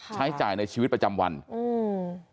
ใช้จ่ายในชีวิตประจำวันอืม